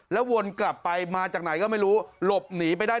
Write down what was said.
วนกลับไปมาจากไหนก็ไม่รู้หลบหนีไปได้